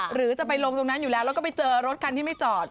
หรือจะไปลงตรงนั้นอยู่แล้วแล้วก็ไปเจอรถคันที่ไม่จอด